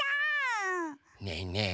ねえねえ。